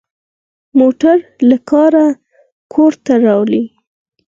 موټر له کاره کور ته راولي.